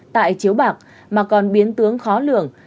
tại chiếu bạc mà còn biến tướng khó lường